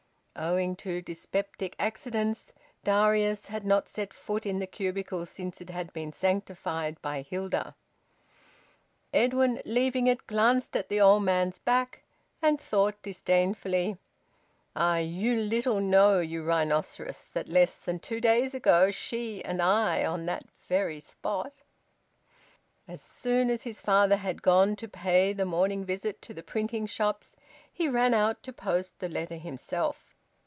Owing to dyspeptic accidents Darius had not set foot in the cubicle since it had been sanctified by Hilda. Edwin, leaving it, glanced at the old man's back and thought disdainfully: "Ah! You little know, you rhinoceros, that less than two days ago, she and I, on that very spot " As soon as his father had gone to pay the morning visit to the printing shops, he ran out to post the letter himself.